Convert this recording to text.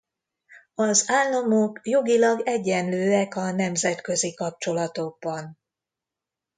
Az államok jogilag egyenlőek a nemzetközi kapcsolatokban.